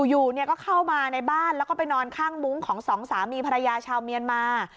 อยู่ก็เข้ามาในบ้านแล้วก็ไปนอนข้างมุ้งของสองสามีภรรยาชาวเมียนมา